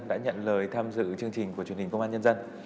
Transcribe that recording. đã nhận lời tham dự chương trình của truyền hình công an nhân dân